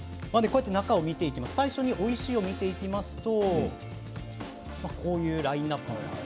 最初においしいを見ていきますとこういうラインナップです。